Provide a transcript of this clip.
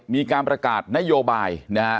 มีการประกาศนโยบาย